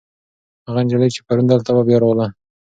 هغه نجلۍ چې پرون دلته وه، بیا راغله.